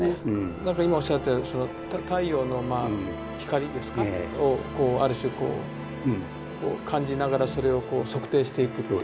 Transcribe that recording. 何か今おっしゃったその太陽のまあ光ですか？をある種こう感じながらそれをこう測定していくっていう。